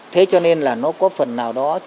thế cho nên là nó có phần nào đó